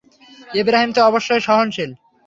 ইবরাহীম তো অবশ্যই সহনশীল।